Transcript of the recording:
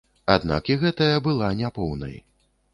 Аднак і гэтая была не поўнай.